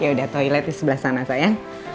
yaudah toilet di sebelah sana sayang